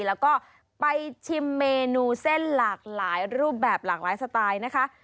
แล้วก็ไปชิมเมนูเส้นหลากหลายรูปแบบหลากหลายสไตล์นะคะ